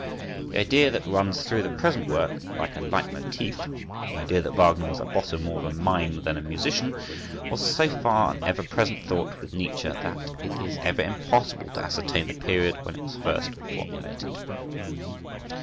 (4) The idea that runs through the present work like a leitmotif—the idea that Wagner was at bottom more of a mime than a musician—was so far an ever present thought with Nietzsche that it is ever impossible to ascertain the period when it was first formulated.